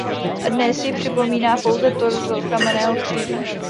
Dnes ji připomíná pouze torzo kamenného kříže.